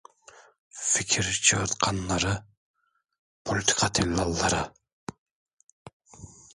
Fikir çığırtkanları, politika tellalları…